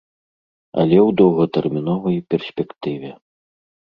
Але ў доўгатэрміновай перспектыве.